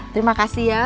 terima kasih ya